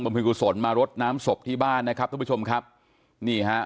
เพลงกุศลมารดน้ำศพที่บ้านนะครับทุกผู้ชมครับนี่ฮะ